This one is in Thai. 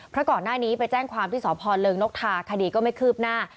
เพราะก่อนหน้านี้ไปแจ้งความที่สพเริงนกทาคดีก็ไม่คืบหน้า